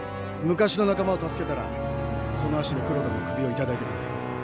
昔の仲間を助けたらその足で黒田の首を頂いてくる。